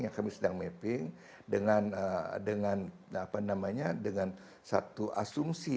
yang kami sedang mapping dengan satu asumsi